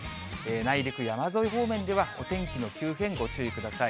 内陸山沿い方面では、お天気の急変、ご注意ください。